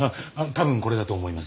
多分これだと思います。